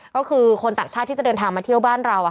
ก็คือคนต่างชาติที่จะเดินทางมาเที่ยวบ้านเรา